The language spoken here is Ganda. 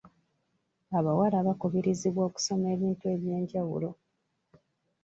Abawala bakubirizibwa okusoma ebintu eby'enjawulo.